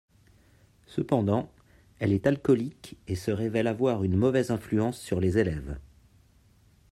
Cependant, elle est alcoolique et se révèle avoir une mauvaise influence sur les élèves.